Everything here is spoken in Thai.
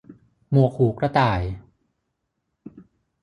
หมวกหูกระต่าย